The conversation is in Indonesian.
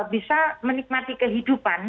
bisa menikmati kehidupan